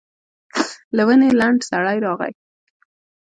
له ونې لنډ سړی راغی.